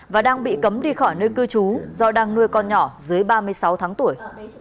và đang bị cấm đi khỏi nơi cư trú do đang nuôi con nhỏ dưới ba mươi sáu tháng tuổi